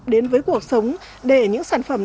đến với cuộc sống để những sản phẩm